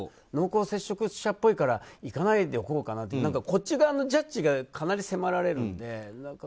濃厚接触者っぽいから行かないでおこうかなとかこっち側のジャッジがかなり迫られるので。